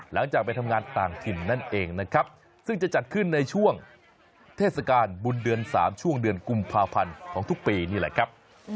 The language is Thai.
หลังจากไปทำงานต่างถิ่นนั่นเองนะครับซึ่งจะจัดขึ้นในช่วงเทศกาลบุญเดือน๓ช่วงเดือนกุมภาพันธ์ของทุกปีนี่แหละครับ